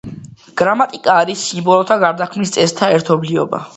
გრამატიკა არის სიმბოლოთა გარდაქმნის წესთა ერთობლიობა.